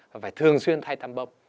và phải thường xuyên thay tăm bông